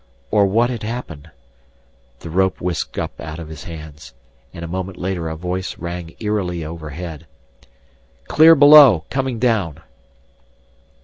Or what had happened? The rope whisked up out of his hands. And a moment later a voice rang eerily overhead. "Clear below! Coming down!"